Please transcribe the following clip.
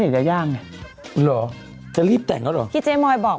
เพราะรอสืออีก